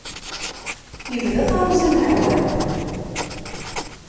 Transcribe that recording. Ibda taruẓi n leḥwal!